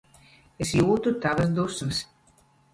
Es jūtu tavas dusmas.